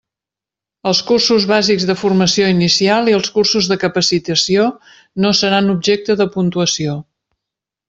Els cursos bàsics de formació inicial i els cursos de capacitació no seran objecte de puntuació.